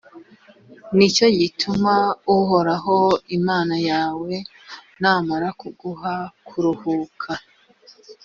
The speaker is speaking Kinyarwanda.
ni cyo gituma uhoraho imana yawe namara kuguha kuruhuka,